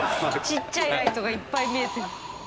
ちっちゃいライトがいっぱい見えて。